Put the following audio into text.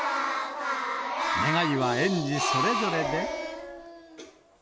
願いは園児それぞれで。